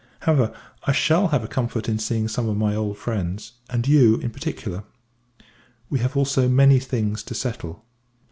However, I shall have a comfort in seeing some of my old friends; and you, in particular. We have also many things to settle.